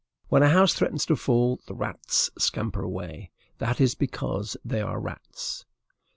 When a house threatens to fall, the rats scamper away; that is because they are rats.